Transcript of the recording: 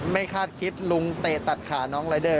คาดคิดลุงเตะตัดขาน้องรายเดอร์